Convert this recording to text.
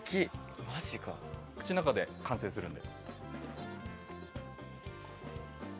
口の中で完成するんで。